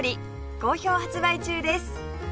好評発売中です